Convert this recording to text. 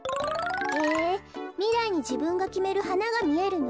へえみらいにじぶんがきめるはながみえるの？